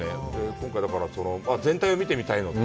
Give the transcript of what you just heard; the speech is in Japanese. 今回、だから、全体を見てみたいなと。